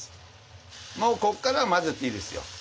もうここからは混ぜていいですよ。